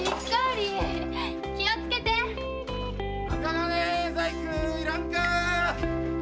銅細工いらんか！